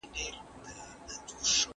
په خندا کي به ناڅاپه په ژړا سي